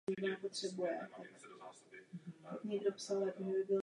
Byl jejich pátým dítětem.